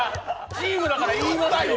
チームだから言いますよ。